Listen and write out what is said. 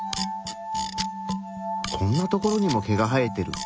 こんなところにも毛が生えてる！